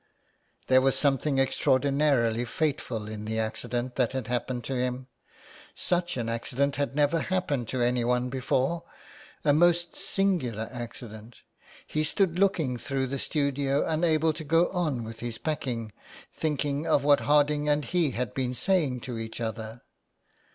There was something extraordinarily fateful in the accident that had happened to him. Such an accident had never happened to anyone before. A most singular accident ! He stood looking through the studio unable to go on with his packing, thinking of what Harding and he had been saying to each other.